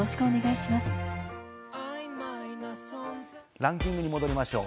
ランキングに戻りましょう。